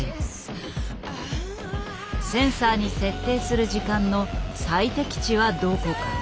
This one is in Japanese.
センサーに設定する時間の最適値はどこか。